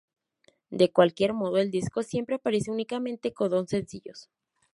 De cualquier modo el disco siempre aparece únicamente con dos sencillos.